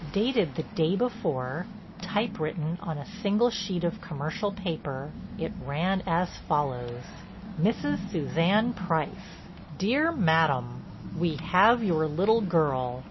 Dated the day before, typewritten on a single sheet of commercial paper, it ran as follows: "Mrs. Suzanne Price, "Dear Madam: "We have your little girl.